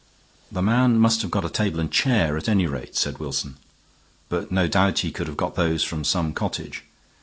"The man must have got a table and chair, at any rate," said Wilson, "but no doubt he could have got those from some cottage.